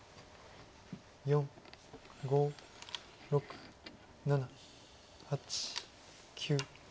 ４５６７８９。